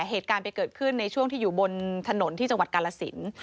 เหตุการณ์ไปเกิดขึ้นในช่วงที่อยู่บนถนนที่จังหวัดกาลสิน